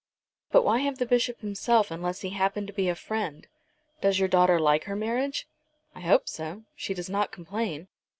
"But why have the Bishop himself unless he happen to be a friend? Does your daughter like her marriage?" "I hope so. She does not complain."